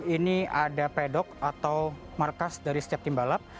ini ada pedok atau markas dari setiap tim balap